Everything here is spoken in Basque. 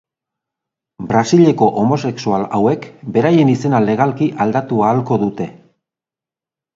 Brasileko homosexual hauek beraien izena legalki aldatu ahalko dute.